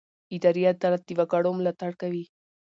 اداري عدالت د وګړو ملاتړ کوي.